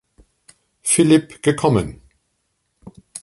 Philipp gekommen.